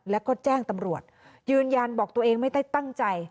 แล้วก็แจ้งตำรวจยืนยันบอกตัวเองไม่ได้ตั้งใจ